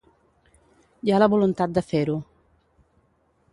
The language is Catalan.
Hi ha la voluntat de fer-ho.